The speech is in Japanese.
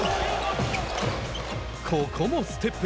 ここもステップ。